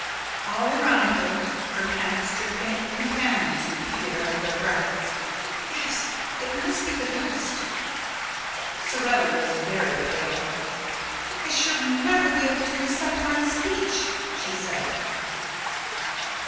All around her, her panic stricken companions repeated under their breaths: "Yes it must be the ghost!" Sorelli was very pale. "I shall never be able to recite my speech," she said.